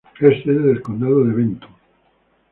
Es sede del condado de Benton.